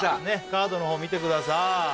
カードの方見てください